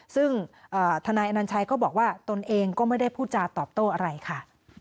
ซึ่งทนายอนัญชัยก็บอกว่าตนเองก็ไม่ได้พูดจาตอบโต้อะไรค่ะ